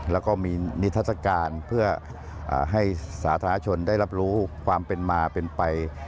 แล้วก็มีนิทัศกาลเพื่อให้สาธารณชนได้รับรู้ความเป็นมาเป็นไป